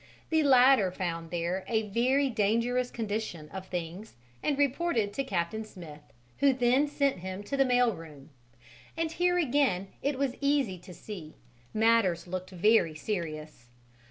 The latter found there a very dangerous condition of things and reported to Captain Smith, who then sent him to the mail room; and here again, it was easy to see, matters looked very serious.